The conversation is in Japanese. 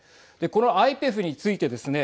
このＩＰＥＦについてですね